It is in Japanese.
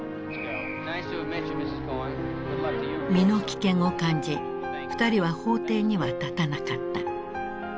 身の危険を感じ二人は法廷には立たなかった。